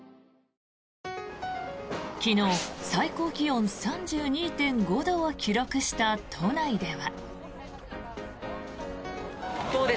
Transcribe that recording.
昨日、最高気温３２．５度を記録した都内では。